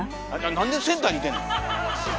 なんでセンターにいてんの！